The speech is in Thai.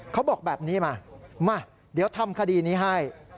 เขาบอกแบบนี้มามาเดี๋ยวทำคดีนี้ให้